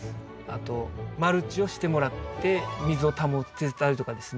あとマルチをしてもらって水を保ってたりとかですね